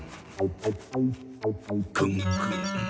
クンクン。